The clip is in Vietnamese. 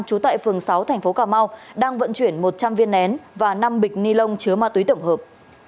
trú tại phường sáu tp cm đang vận chuyển một trăm linh viên nén và năm bịch ni lông chứa ma túy tổng hợp